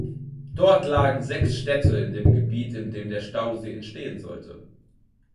Dort lagen sechs Städte in dem Gebiet in dem der Stausee entstehen sollte.